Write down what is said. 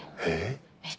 えっ？